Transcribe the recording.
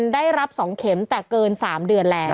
ได้รับ๒เข็มแต่เกิน๓เดือนแล้ว